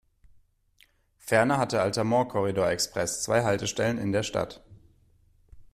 Ferner hat der Altamont Corridor Express zwei Haltestellen in der Stadt.